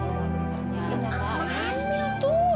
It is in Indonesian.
saya ingin menjunjungi waktu ke empat